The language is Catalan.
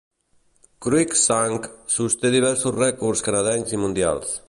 Cruickshank sosté diversos rècords canadencs i mundials.